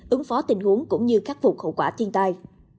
ứng phó tình huống cũng như khắc phục khẩu quả thiên tai